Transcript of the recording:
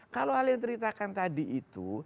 kalau hal yang ceritakan tadi itu